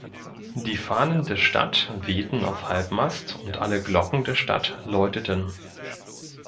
Die Fahnen der Stadt wehten auf halbmast und alle Glocken der Stadt läuteten.